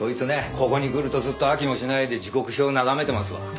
ここに来るとずっと飽きもしないで時刻表眺めてますわ。